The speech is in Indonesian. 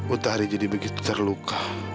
utari jadi begitu terluka